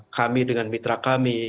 kami dengan mitra kami